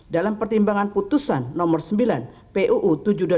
dalam pertimbangan putusan nomor sembilan puu tujuh dua ribu